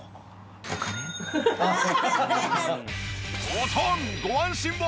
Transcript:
おとんご安心を！